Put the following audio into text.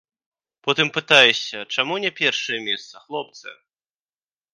Потым пытаешся, чаму не першае месца, хлопцы?